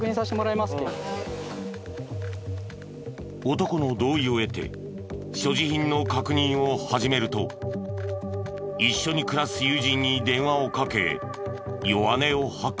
男の同意を得て所持品の確認を始めると一緒に暮らす友人に電話をかけ弱音を吐く。